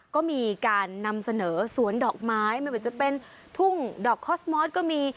ก็มีการนำเสนอสวนดอกไม้ไม่ว่าจะเป็นทุ่งดอกคอสมอสก็มี